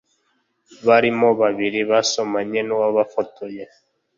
barimo babiri basomanye n’uwabafotoye